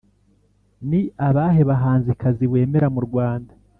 Ni abahe bahanzikazi wemera mu Rwanda?